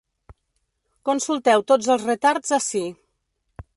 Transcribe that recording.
Consulteu tots els retards ací.